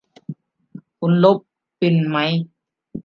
คุณลบเป็นมั้ย